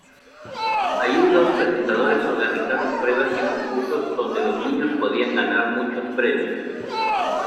Allí los presentadores organizaron pruebas y concursos donde los niños podían ganar muchos premios.